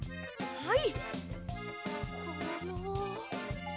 はい。